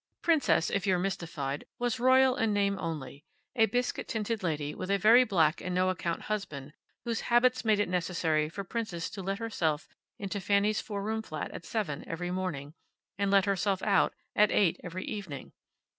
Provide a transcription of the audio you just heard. Princess, if you're mystified, was royal in name only a biscuit tinted lady, with a very black and no account husband whose habits made it necessary for Princess to let herself into Fanny's four room flat at seven every morning, and let herself out at eight every evening.